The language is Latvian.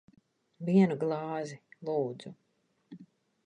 Vienu glāzi. Lūdzu.